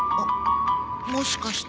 もしかして